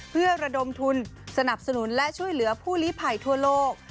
เพื่อระดมทุนสนับสนุนและช่วยเหลือผู้ลิภัยทั่วโลก